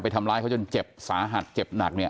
ทำร้ายเขาจนเจ็บสาหัสเจ็บหนักเนี่ย